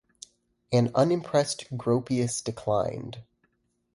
An unimpressed Gropius declined.